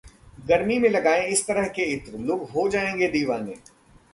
गर्मी में लगाएं इस तरह के इत्र, लोग हो जाएंगे दीवाने!